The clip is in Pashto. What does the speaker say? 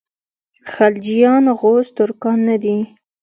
خلجیان غوز ترکان نه دي.